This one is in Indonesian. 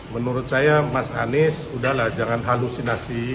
menurut saya mas anies udahlah jangan halusinasi